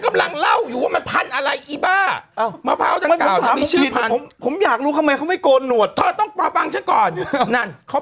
กำลังเล่าอยู่ว่ามันพันธุ์อะไรอีบ้าจัง